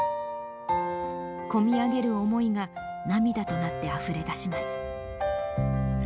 こみ上げる思いが涙となってあふれだします。